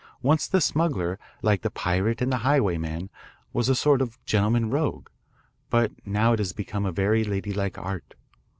Once the smuggler, like the pirate and the highwayman, was a sort of gentleman rogue. But now it has become a very ladylike art.